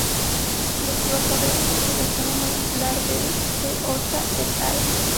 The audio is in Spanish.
Los trabajos de filogenia molecular de D’Horta "et al".